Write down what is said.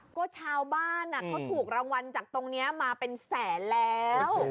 ก็ชาวบ้านเขาถูกรางวัลจากตรงนี้มาเป็นแสนแล้ว